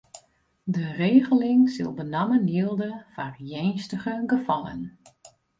De regeling sil benammen jilde foar earnstige gefallen.